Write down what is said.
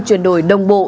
truyền đổi đồng bộ